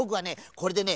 これでね